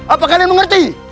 apakah kalian mengerti